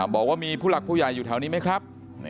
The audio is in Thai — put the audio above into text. บอกว่ามีผู้หลักผู้ใหญ่อยู่แถวนี้ไหมครับ